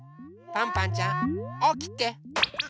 パンパンちゃんおきて。